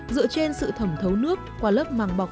dựa trên sự thẩm thấu nước qua lớp màng bọc